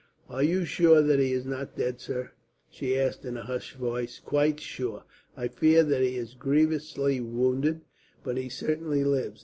"Are you sure that he is not dead, sir?" she asked, in a hushed voice. "Quite sure. I fear that he is grievously wounded, but he certainly lives.